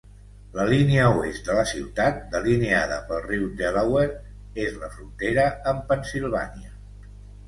La línia oest de la ciutat, delineada pel riu Delaware, és la frontera amb Pennsilvània.